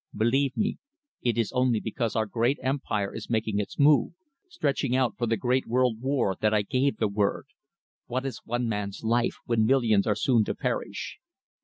Believe me, it is only because our great Empire is making its move, stretching out for the great world war, that I gave the word. What is one man's life when millions are soon to perish?"